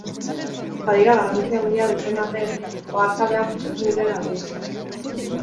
Badira garrantzia handia duten arren, oharkabean pasatzen diren albisteak.